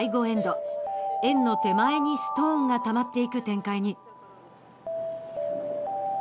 円の手前にストーンがたまっていく展開に。